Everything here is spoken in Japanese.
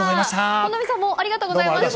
本並さんもありがとうございました。